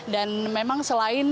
dan memang selamat